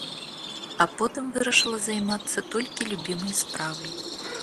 А потым вырашыла займацца толькі любімай справай.